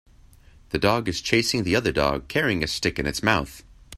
The dog is chasing the other dog carrying a stick in its mouth.